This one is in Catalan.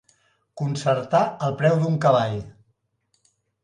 Concertar el preu d'un cavall.